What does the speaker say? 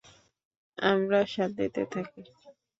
আমরা শান্তিতে থাকি।